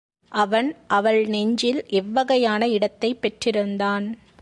அவன் அவள் நெஞ்சில் எவ்வகையான இடத்தைப் பெற்றிருந்தான்?